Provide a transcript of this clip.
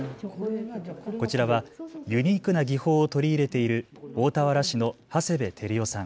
こちらはユニークな技法を取り入れている大田原市の長谷部照代さん。